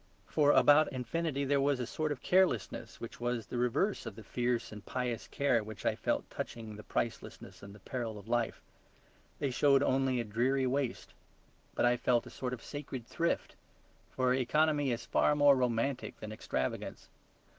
For about infinity there was a sort of carelessness which was the reverse of the fierce and pious care which I felt touching the pricelessness and the peril of life. They showed only a dreary waste; but I felt a sort of sacred thrift. For economy is far more romantic than extravagance.